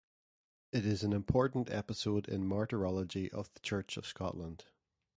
It is an important episode in the martyrology of the Church of Scotland.